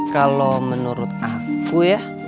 kalau menurut aku ya